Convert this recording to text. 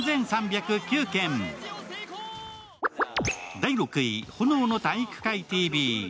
第６位、「炎の体育会ＴＶ」。